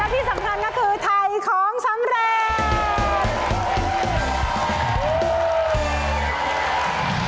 ที่สำคัญก็คือไทยของสำเร็จ